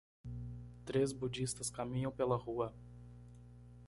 três budistas caminham pela rua.